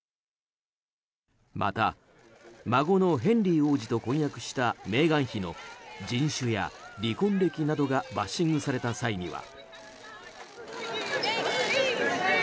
また、孫のヘンリー王子と婚約したメーガン妃の人種や離婚歴などがバッシングされた際には。